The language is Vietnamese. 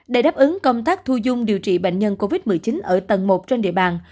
để đáp ứng công tác thu dung điều trị bệnh nhân covid một mươi chín ở tầng một trên địa bàn